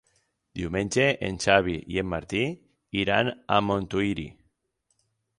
Diumenge en Xavi i en Martí iran a Montuïri.